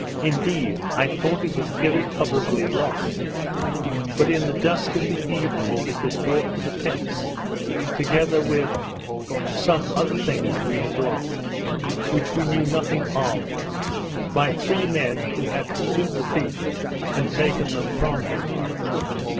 Indeed, I thought it was irrecoverably lost; but, in the dusk of the evening it was brought to the tents, together with some other things we had lost, which we knew nothing of, by three men who had pursued the thief, and taken them from him.